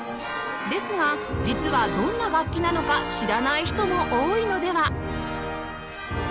ですが実はどんな楽器なのか知らない人も多いのでは？